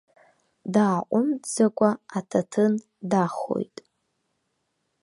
Дааҟәымҵӡакәа аҭаҭын дахоит.